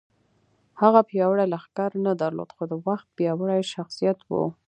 هغه پیاوړی لښکر نه درلود خو د وخت پیاوړی شخصیت و